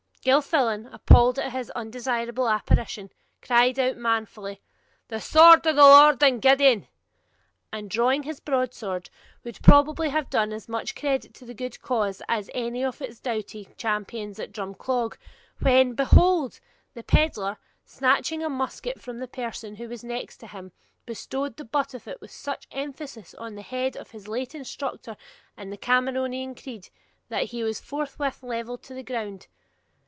Gilfillan, unappalled at this undesirable apparition, cried out manfully, 'The sword of the Lord and of Gideon!' and, drawing his broadsword, would probably have done as much credit to the good old cause as any of its doughty champions at Drumclog, when, behold! the pedlar, snatching a musket from the person who was next him bestowed the butt of it with such emphasis on the head of his late instructor in the Cameronian creed that he was forthwith levelled to the ground.